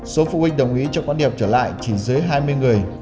số phụ huynh đồng ý cho con đi học trở lại chỉ dưới hai mươi người